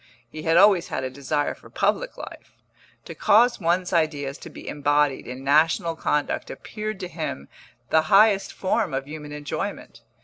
He had always had a desire for public life; to cause one's ideas to be embodied in national conduct appeared to him the highest form of human enjoyment.